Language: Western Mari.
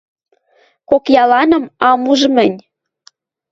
Кок яланым ам уж мӹнь